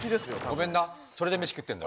ごめんなそれでメシ食ってんだ。